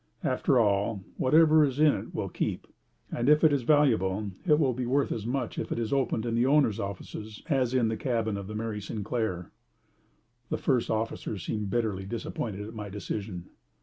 After all, whatever is in it will keep, and if it is valuable it will be worth as much if it is opened in the owner's offices as in the cabin of the Mary Sinclair." The first officer seemed bitterly disappointed at my decision.